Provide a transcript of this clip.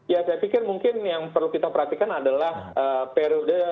ya saya pikir mungkin yang perlu kita perhatikan adalah periode